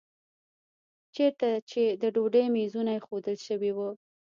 چېرته چې د ډوډۍ میزونه ایښودل شوي وو.